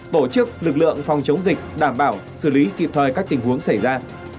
tổ chức lực lượng phòng chống dịch đảm bảo xử lý kịp thời các tình huống xảy ra